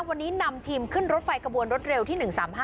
วันนี้นำทีมขึ้นรถไฟกระบวนรถเร็วที่๑๓๕